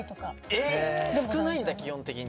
少ないんだ基本的に。